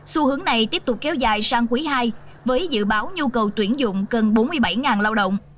xu hướng này tiếp tục kéo dài sang quý ii với dự báo nhu cầu tuyển dụng cần bốn mươi bảy lao động